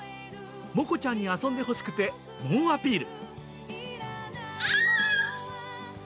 もこちゃんに遊んでほしくて、猛アピール。